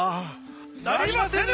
・なりませぬ！